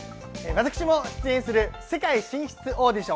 私も出演する『世界進出オーディション！